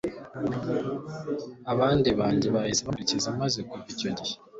Abandi Benge bahise bamukurikiza maze kuva icyo gihe